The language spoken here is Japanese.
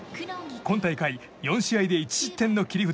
今大会４試合で１失点の切り札